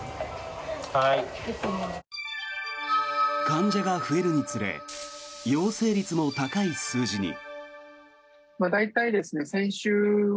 患者が増えるにつれ陽性率も高い数字に。